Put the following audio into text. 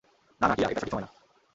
না, না, টিয়া, এটা সঠিক সময় না।